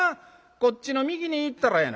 こっちの右に行ったらやな